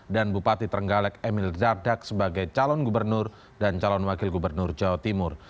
dan bupati terenggalek emil zardak sebagai calon gubernur dan calon wakil gubernur jawa timur